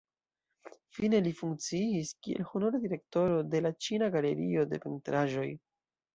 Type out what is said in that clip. Fine li funkciis kiel honora direktoro de la Ĉina Galerio de Pentraĵoj.